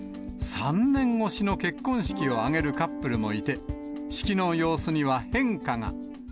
３年越しの結婚式を挙げるカップルもいて、式の様子には変化が。